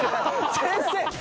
先生！